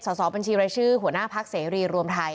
สอบบัญชีรายชื่อหัวหน้าพักเสรีรวมไทย